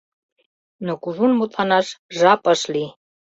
Но кужун мутланаш жап ыш лий.